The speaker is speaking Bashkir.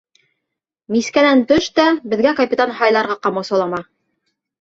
Мискәнән төш тә беҙгә капитан һайларға ҡамасаулама!